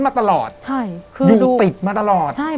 แต่ขอให้เรียนจบปริญญาตรีก่อน